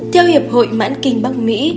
theo hiệp hội mãn kinh bắc mỹ